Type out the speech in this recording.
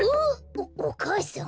おお母さん？